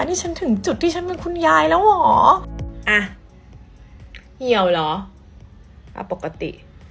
นี่ฉันถึงจุดที่ฉันเป็นคุณยายแล้วเหรออ่ะเหี่ยวเหรออ่าปกติ